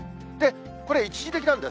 これ、一時的なんです。